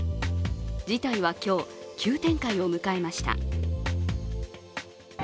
事態は今日、急展開を迎えました。